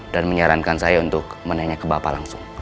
dan menyarankan saya untuk menanyakan ke bapak langsung